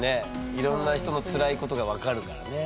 いろんな人の辛いことが分かるからね。